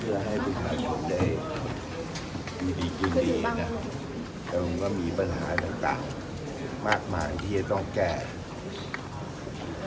เพื่อให้ทุกคนได้ดีกินดีและมีปัญหาต่ำมากมากที่จะต้องแกร่ง